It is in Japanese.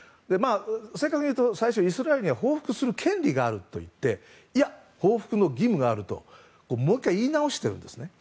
正確に言うとイスラエルには報復する権利があると言っていや報復の義務があるともう１回言い直してるんですね。